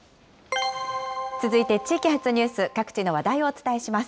続いて地域発ニュース、各地の話題をお伝えします。